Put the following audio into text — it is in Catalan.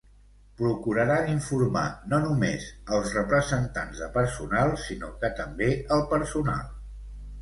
Procuraran informar no només als representants de personal sinó que també al personal.